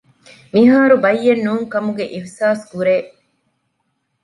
މިހާރު ބައްޔެއް ނޫންކަމުގެ އިޙްސާސްކުރޭ